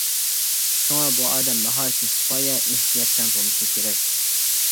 شۇڭا بۇ ئادەم ناھايىتى سىپايە، ئېھتىياتچان بولۇشى كېرەك.